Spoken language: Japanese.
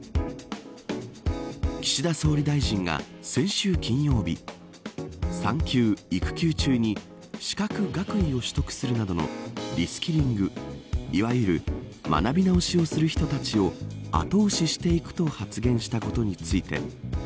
岸田総理大臣が先週金曜日産休・育休中に資格・学位を取得するなどのリスキリング、いわゆる学び直しをする人たちを後押ししていくと発言したことについて。